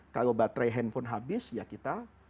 kalau baterai handphone habis ya kita